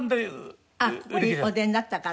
ここにお出になったから？